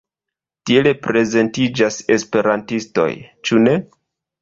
Tiel prezentiĝas esperantistoj, ĉu ne?